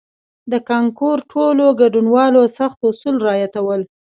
د کانکور ټولو ګډونوالو سخت اصول رعایتول.